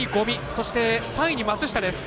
そして、３位に松下です。